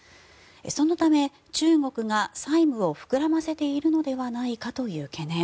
そのため、中国が債務を膨らませているのではないかという懸念